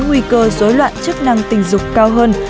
nguy cơ dối loạn chức năng tình dục cao hơn